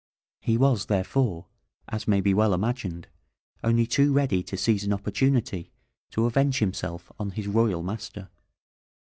He was, therefore, as may be well imagined, only too ready to seize an opportunity to avenge himself on his royal master.